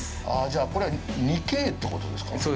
ああ、じゃあ、これは２Ｋということですか？